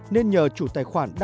nên nhờ chủ tài khoản facebook